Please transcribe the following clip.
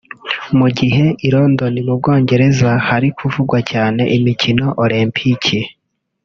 Mu gihe i London mu Bwongereza hari kuvugwa cyane imikino Olimpiki